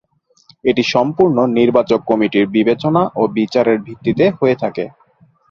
এটি সম্পূর্ণ নির্বাচক কমিটির বিবেচনা ও বিচারের ভিত্তিতে হয়ে থাকে।